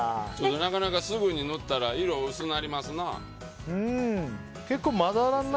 なかなかすぐに塗ったら色薄なりますな。